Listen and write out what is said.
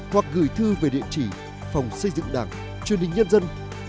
hoặc gửi thư về địa chỉ phòng xây dựng đảng chương trình nhân dân bảy mươi một